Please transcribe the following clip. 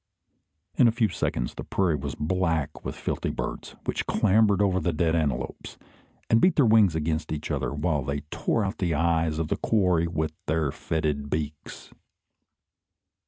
In a few seconds the prairie was black with filthy birds, which clambered over the dead antelopes, and beat their wings against each other, while they tore out the eyes of the quarry with their fetid beaks.